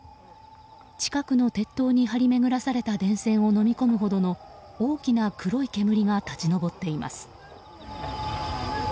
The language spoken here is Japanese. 近くの鉄塔に張り巡らされた電線をのみ込むほどの大きな黒い煙が立ち上っています。